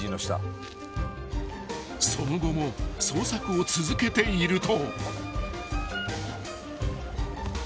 ［その後も捜索を続けていると］